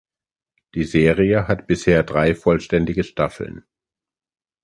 Die Serie hat bisher drei vollständige Staffeln.